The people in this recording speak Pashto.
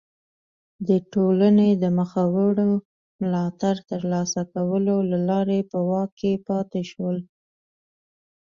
د ټولنې د مخورو ملاتړ ترلاسه کولو له لارې په واک کې پاتې شول.